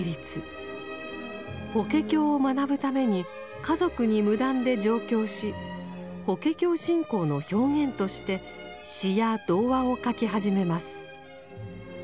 法華経を学ぶために家族に無断で上京し法華経信仰の表現として詩や童話を書き始めます。